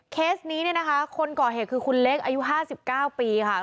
เคสนี้เนี่ยนะคะคนก่อเหตุคือคุณเล็กอายุ๕๙ปีค่ะ